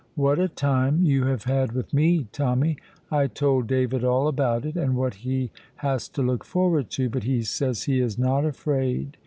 "What a time you have had with me, Tommy! I told David all about it, and what he has to look forward to, but he says he is not afraid.